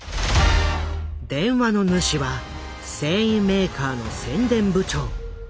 電話の主は繊維メーカーの宣伝部長遠入昇。